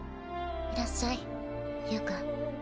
いらっしゃいゆーくん。